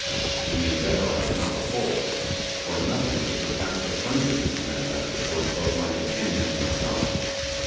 In the endeavour I was not repulsed; for nothing could surpass the friendliness he manifested towards both my companion and myself.